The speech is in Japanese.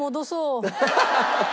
アハハハ！